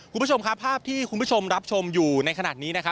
คุณผู้ชมครับภาพที่คุณผู้ชมรับชมอยู่ในขณะนี้